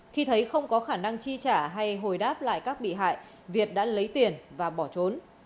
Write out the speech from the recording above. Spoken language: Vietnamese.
khi thấy không có khả năng chi trả hay hồi đáp lại các bị hại việt đã lấy tiền và bỏ trốn